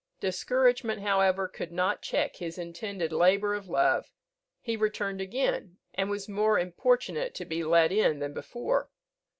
Discouragement, however, could not check his intended labour of love; he returned again, and was more importunate to be let in than before.